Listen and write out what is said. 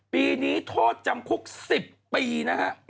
ปีนี้โทษจำคุก๑๐ปีนะครับ